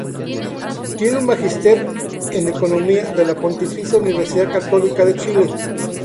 Tiene un Magíster en Economía de la Pontificia Universidad Católica de Chile.